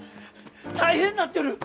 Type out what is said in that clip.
大変なってる！